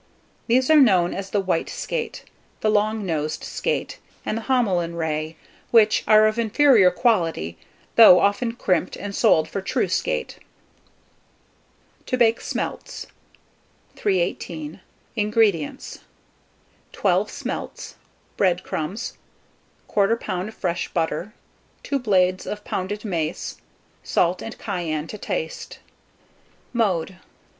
These are known as the white skate, the long nosed skate, and the Homelyn ray, which are of inferior quality, though often crimped, and sold for true skate. TO BAKE SMELTS. 318. INGREDIENTS. 12 smelts, bread crumbs, 1/4 lb. of fresh butter, 2 blades of pounded mace; salt and cayenne to taste. Mode.